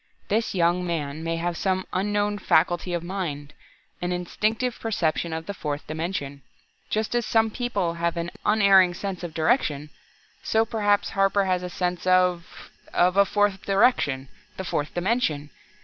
This young man may have some unknown faculty of mind an instinctive perception of the fourth dimension. Just as some people have an unerring sense of direction, so perhaps Harper has a sense of of a fourth direction the fourth dimension!